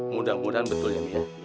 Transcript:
mudah mudahan betul ya